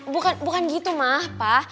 bukan bukan gitu ma pa